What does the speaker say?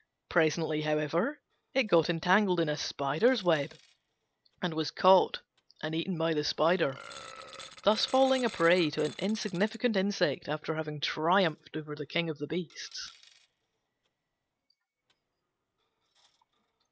Presently, however, it got entangled in a spider's web, and was caught and eaten by the spider, thus falling a prey to an insignificant insect after having triumphed over the King of the Beasts.